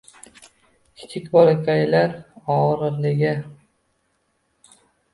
Kichik bolakaylar o‘g‘riligi.